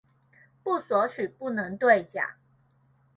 不索取不能對獎